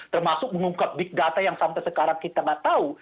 termasuk mengungkap big data yang sampai sekarang kita nggak tahu